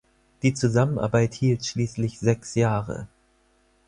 Die Zusammenarbeit hielt schließlich sechs Jahre.